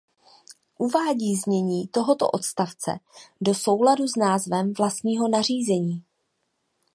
Uvádí znění tohoto odstavce do souladu s názvem vlastního nařízení.